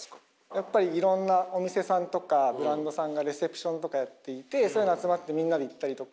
やっぱりいろんなお店さんとかブランドさんがレセプションとかやっていてそういうの集まってみんなで行ったりとか。